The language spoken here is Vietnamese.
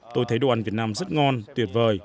tôi thấy đồ ăn việt nam rất ngon tuyệt vời